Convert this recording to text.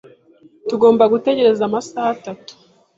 Tugomba gutegereza amasaha atanu.